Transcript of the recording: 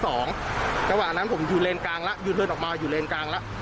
จังหวะนั้นผมอยู่เลนกลางแล้วยูเลินออกมาอยู่เลนกลางแล้ว